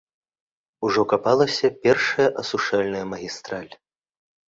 Ужо капалася першая асушальная магістраль.